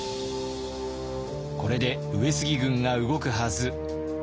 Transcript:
これで上杉軍が動くはず。